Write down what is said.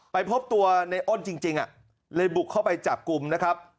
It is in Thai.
ไปพบตัวในอ้นจริงเลยบุกเข้าไปจับกลุ่มนะครับ